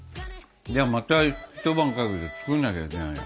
じゃあまた一晩かけて作んなきゃいけないよ。